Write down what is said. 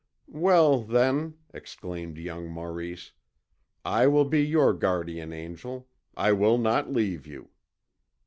"Well, then," exclaimed young Maurice, "I will be your guardian angel, I will not leave you."